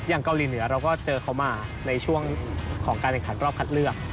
เกาหลีเหนือเราก็เจอเขามาในช่วงของการแข่งขันรอบคัดเลือก